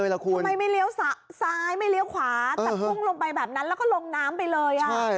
ทำไมไม่เลี้ยวซ้ายไม่เลี้ยวขวาแต่พุ่งลงไปแบบนั้นแล้วก็ลงน้ำไปเลย